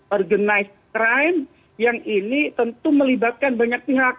organized crime yang ini tentu melibatkan banyak pihak